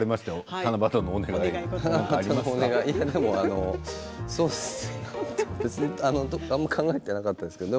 七夕の願い別にあんまり考えていなかったですけど